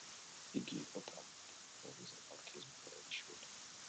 იგი იყო ტამბოვის ეპარქიის მღვდლის შვილი.